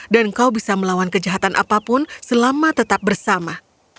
dan kau bisa melawan kejahatan apapun selama tetap bersama